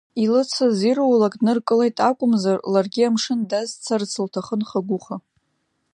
Илыцыз ирулак дныркылеит акумзар, ларгьы амшын дазцарц лҭахын хагуха!